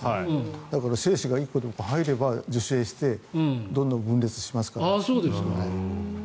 だから精子が１個でも入れば受精してどんどん分裂しますから。